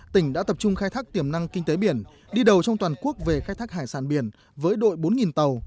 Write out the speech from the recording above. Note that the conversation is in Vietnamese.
tỉnh đã tập trung khai thác tiềm năng kinh tế biển đi đầu trong toàn quốc về khai thác hải sản biển với đội bốn tàu